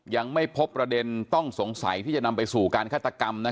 ยังไม่พบประเด็นต้องสงสัยที่จะนำไปสู่การฆาตกรรม